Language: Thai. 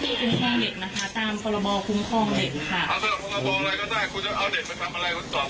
ไปดูห้องเด็กซิถ้าอยากจะสอบปากคำเด็กนี่